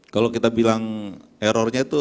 kalau kita bilang errornya itu